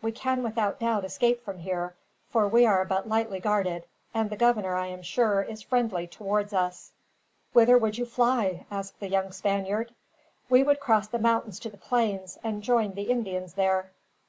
"We can without doubt escape from here, for we are but lightly guarded; and the governor, I am sure, is friendly towards us." "Whither would you fly?" asked the young Spaniard. "We would cross the mountains to the plains, and join the Indians there."